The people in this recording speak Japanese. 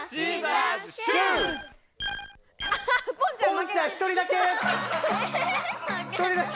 ポンちゃん１人だけ！